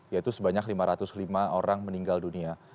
yaitu sebanyak lima ratus lima orang meninggal dunia